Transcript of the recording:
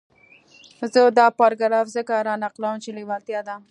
زه دا پاراګراف ځکه را نقلوم چې لېوالتیا ده.